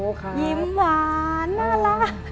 โอเคยิ้มหวานน่ารัก